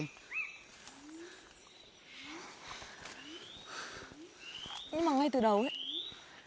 nhưng mà ngay từ đầu ấy